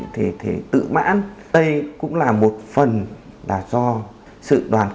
để mình cố gắng thi đua nhiều hơn